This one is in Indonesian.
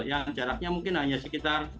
yang jaraknya mungkin hanya sekitar